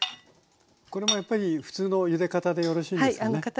これもやっぱり普通のゆで方でよろしいんですよね？